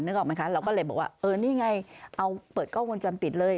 ออกไหมคะเราก็เลยบอกว่าเออนี่ไงเอาเปิดกล้องวงจรปิดเลย